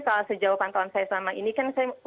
kalau sejauh pantauan saya selama ini kan